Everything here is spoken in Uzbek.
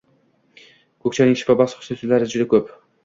Ko‘k choyning shifobaxsh xususiyatlari juda ko‘p.